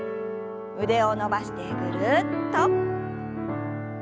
腕を伸ばしてぐるっと。